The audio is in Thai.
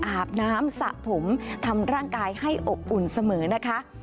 อาบน้ำสระผมทำร่างกายให้อบอุ่นเสมอนะคะ